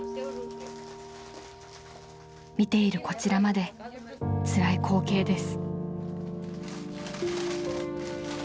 ［見ているこちらまでつらい光景です］